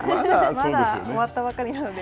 まだ終わったばかりなのに。